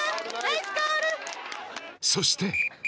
そして。